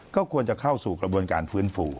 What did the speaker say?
ก็ควรจะเข้าสู่กระบวนการฟื้นฟู